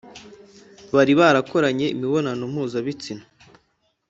bari barakoranye imibonano mpuzabitsina